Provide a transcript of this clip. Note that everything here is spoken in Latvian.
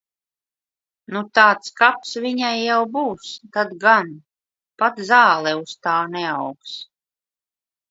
Nu tāds kaps viņai jau būs, tad gan. Pat zāle uz tā neaugs.